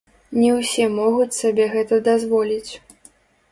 Не ўсе могуць сабе гэта дазволіць.